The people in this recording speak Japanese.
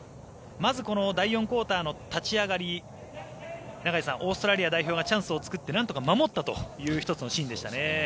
まず、この第４クオーターの立ち上がり永井さん、オーストラリア代表がチャンスを作ってなんとか守ったという１つのシーンでしたね。